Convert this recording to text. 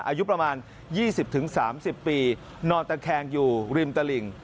อายุประมาณ๒๐๓๐ปีนอนตะแคงอยู่ริมตลิ่ง